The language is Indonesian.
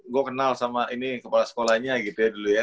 gue kenal sama ini kepala sekolahnya gitu ya dulu ya